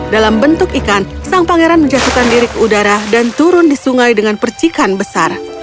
dalam bentuk ikan sang pangeran menjatuhkan diri ke udara dan turun di sungai dengan percikan besar